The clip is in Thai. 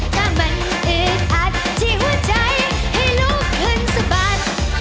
ถ้ามันอึดอัดที่หัวใจให้ลูกขึ้นสะบัด